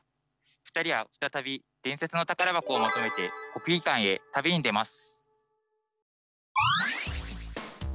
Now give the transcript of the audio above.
２人は再び伝説の宝箱を求めて国技館へ旅に出ます。